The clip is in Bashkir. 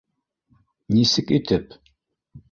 Нисек итеп